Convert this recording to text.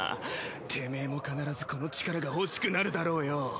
テメエも必ずこの力が欲しくなるだろうよ。